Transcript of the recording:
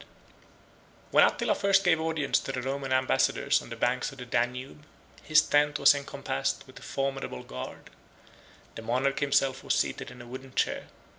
9.] When Attila first gave audience to the Roman ambassadors on the banks of the Danube, his tent was encompassed with a formidable guard. The monarch himself was seated in a wooden chair.